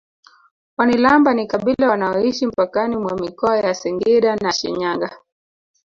Wanilamba ni kabila wanaoishi mpakani mwa mikoa ya Singida na Shinyanga